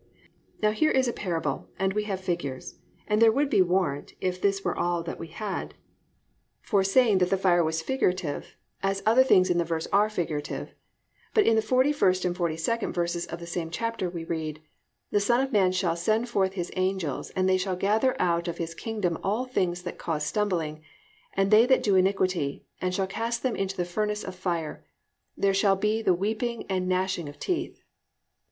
"+ Now here is a parable and we have figures and there would be warrant, if this were all that we had, for saying that the fire was figurative, as other things in the verse are figurative; but in the 41st and 42nd verses of the same chapter we read, +"The Son of man shall send forth his angels, and they shall gather out of His kingdom all things that cause stumbling, and they that do iniquity, and shall cast them into the furnace of fire; there shall be the weeping and gnashing of teeth."